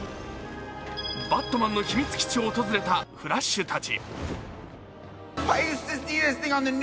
バットマンの秘密基地を訪れたフラッシュたち。